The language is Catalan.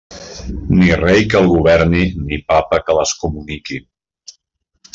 Ni rei que el governi, ni Papa que l'excomuniqui.